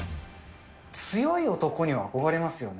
強い男には憧れますよね。